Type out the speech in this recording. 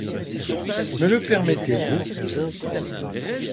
Me le permettez-vous ?